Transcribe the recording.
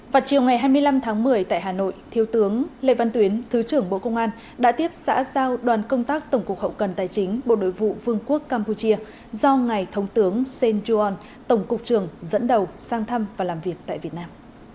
vào chiều ngày hai mươi năm tháng một mươi tại hà nội thiếu tướng lê văn tuyến thứ trưởng bộ công an đã tiếp xã giao đoàn công tác tổng cục hậu cần tài chính bộ nội vụ vương quốc campuchia do ngài thống tướng sen juon tổng cục trưởng dẫn đầu sang thăm và làm việc tại việt nam